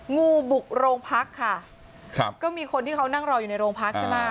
งูบุกโรงพักค่ะครับก็มีคนที่เขานั่งรออยู่ในโรงพักใช่ไหม